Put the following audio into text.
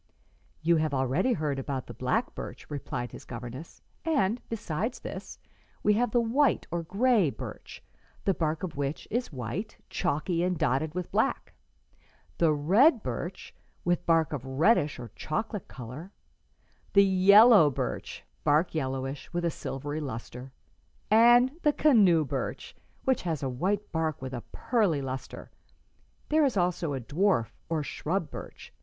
[Illustration: THE CUT LEAVED WHITE BIRCH.] "You have already heard about the black birch," replied his governess, "and, besides this, we have the white, or gray, birch, the bark of which is white, chalky and dotted with black; the red birch, with bark of a reddish or chocolate color; the yellow birch, bark yellowish, with a silvery lustre; and the canoe birch, which has a white bark with a pearly lustre. There is also a dwarf, or shrub, birch.